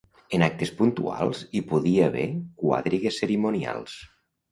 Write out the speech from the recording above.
En actes puntuals hi podia haver quadrigues cerimonials.